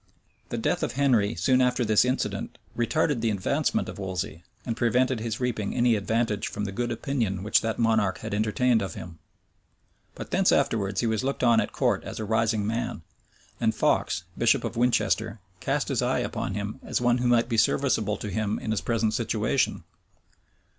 The death of Henry soon after this incident retarded the advancement of Wolsey, and prevented his reaping any advantage from the good opinion which that monarch had entertained of him: but thence forwards he was looked on at court as a rising man; and Fox, bishop of Winchester, cast his eye upon him as one who might be serviceable to him in his present situation.